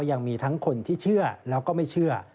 ยังมีทั้งคนที่เชื่อแล้วก็ไม่เชื่อ